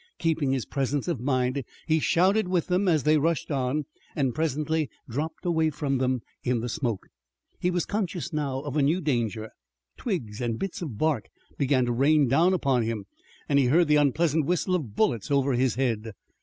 Keeping his presence of mind he shouted with them as they rushed on, and presently dropped away from them in the smoke. He was conscious now of a new danger. Twigs and bits of bark began to rain down upon him, and he heard the unpleasant whistle of bullets over his head.